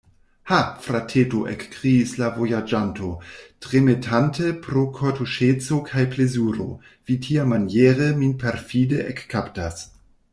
Ha! frateto, ekkriis la vojaĝanto, tremetante pro kortuŝeco kaj plezuro; vi tiamaniere min perfide ekkaptas!